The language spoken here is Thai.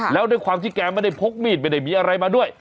แล้วด้วยความที่แกไม่ได้พกมีดไม่ได้มีอะไรมาด้วย